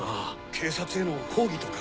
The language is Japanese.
警察への抗議とかか？